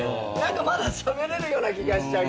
まだしゃべれるような気がしちゃう。